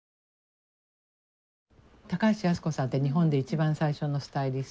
高橋靖子さんって日本で一番最初のスタイリスト。